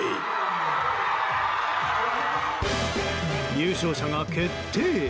優勝者が決定。